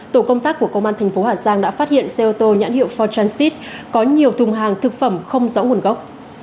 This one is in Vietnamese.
tổ công tác của công an thành phố hà giang đã phát hiện xe ô tô nhãn hiệu for transit có nhiều thùng hàng thực phẩm không rõ nguồn gốc